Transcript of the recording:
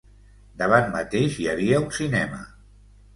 Davant mateix hi havia un cinema